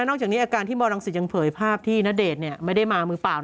นอกจากนี้อาการที่มรังสิตยังเผยภาพที่ณเดชน์ไม่ได้มามือเปล่า